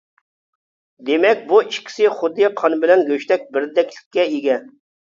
دېمەك بۇ ئىككىسى خۇددى قان بىلەن گۆشتەك بىردەكلىككە ئىگە.